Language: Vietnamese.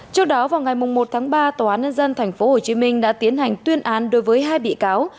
trước đó vào ngày một tháng ba tòa án nhân dân tp hcm đã tiến hành tuyên án đối với hai bị cáo